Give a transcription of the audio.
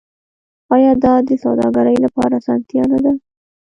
آیا دا د سوداګرۍ لپاره اسانتیا نه ده؟